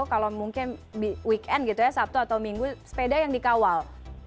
kalau mungkin weekend gitu ya sabtu atau minggu sepeda yang dikawal